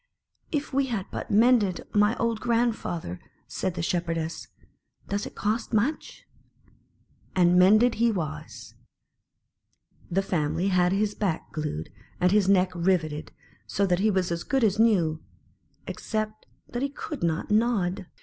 "If we had but mended my old grand father!" said the Shepherdess. "Does it cost much?" And mended he was. The family had his back glued, and his neck riveted, so that he was as good as new, except that he could not nod.